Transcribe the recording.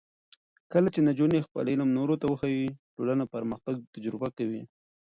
کله چې نجونې خپل علم نورو ته وښيي، ټولنه پرمختګ تجربه کوي.